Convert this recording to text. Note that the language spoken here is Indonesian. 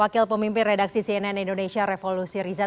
wakil pemimpin redaksi cnn indonesia revolusi riza